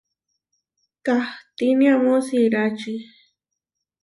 Kahtíne amó siráči.